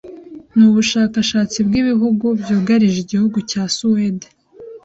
ni ubushakashatsi bwibihugu byugarije igihugu cya Suwede